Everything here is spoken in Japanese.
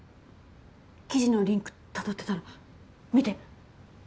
記事のリンク辿ってたら見て。